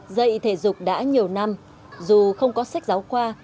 dạy thể dục đã nhiều năm dù không có sách giáo khoa